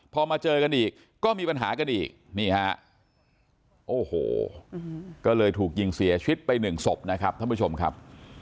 พอมาเจอกันอีกก็มีปัญหากันอีกนี่ฮะโอ้โหก็เลยถูกยิงเสียชีวิตไปหนึ่งศพนะครับท่านผู้ชมครับ